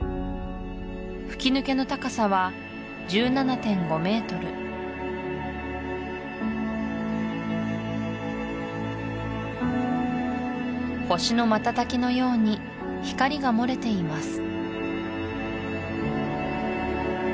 吹き抜けの高さは１７．５メートル星の瞬きのように光が漏れています